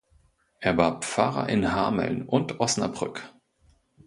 Er war Pfarrer in Hameln und Osnabrück.